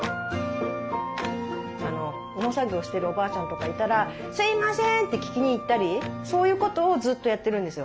農作業してるおばあちゃんとかいたら「すいません！」って聞きに行ったりそういうことをずっとやってるんですよ。